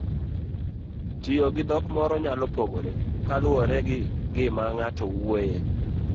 Tiyogi dhok moro nyalo pogore kaluwore gi gima ng'ato wuoyoe.